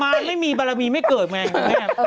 มาไม่มีบารมีไม่เกิดแม่งแม่